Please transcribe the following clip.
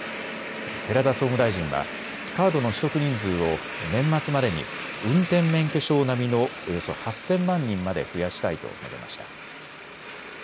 寺田総務大臣はカードの取得人数を年末までに運転免許証並みのおよそ８０００万人まで増やしたいと述べました。